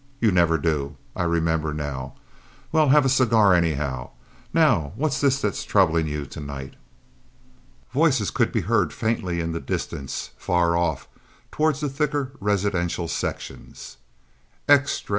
You never do. I remember now. Well, have a cigar, anyhow. Now, what's this that's troublin' you to night?" Voices could be heard faintly in the distance, far off toward the thicker residential sections. "Extra!